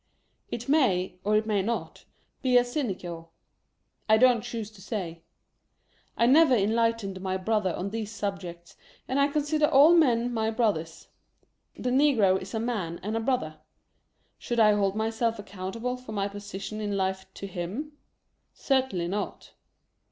It may, or it may not be a sinecure. I don't choose to say. I never enlightened my brother on these subjects, and I consider all men my 246 LIVELY TURTLE. brothers. The Negro is a man and a brother — should I hold myself accountable for my position in life, to him? Certainly not.